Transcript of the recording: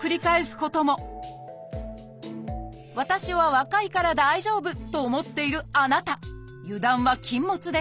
私は若いから大丈夫！と思っているあなた油断は禁物です。